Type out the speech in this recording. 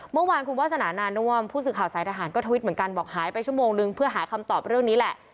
เมื่อวานคุณวาสนานาน่วมผู้สื่อข่าวสายทหารก็ทวิตเหมือนกันบอกหายไปชั่วโมงนึงเพื่อหาคำตอบเรื่องนี้แหละ